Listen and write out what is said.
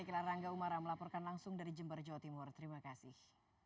ikila rangga umara melaporkan langsung dari jember jawa timur terima kasih